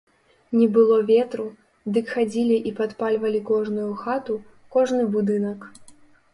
Не было ветру, дык хадзілі і падпальвалі кожную хату, кожны будынак.